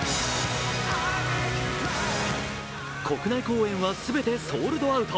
国内公演はすべてソールドアウト。